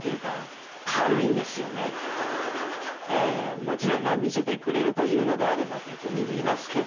もちろんまあ見せてくれるというのであれば別に見ますけど。